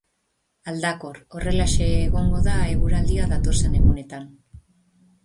Aldakor, horrelaxe egongo da eguraldia datozen egunetan.